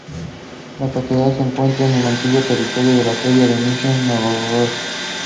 Senator was elected Governor of Texas.